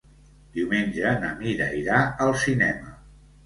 Diumenge na Mira irà al cinema.